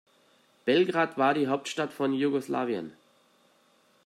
Belgrad war die Hauptstadt von Jugoslawien.